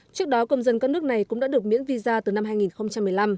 trước đó công dân các nước này cũng đã được miễn visa từ năm hai nghìn một mươi năm